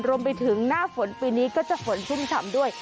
รวมไปถึงหน้าฝนปีนี้ก็จะฝนชุ่มฉ่ำด้วย